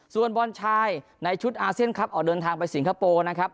ส่วนบอลชายในชุดอาเซียนครับออกเดินทางไปสิงคโปร์นะครับ